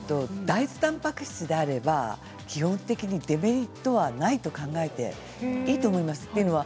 大豆たんぱく質であれば基本的にデメリットはないと考えていいと思います。